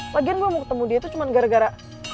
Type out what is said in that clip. lagian gue mau ketemu dia itu cuma gara gara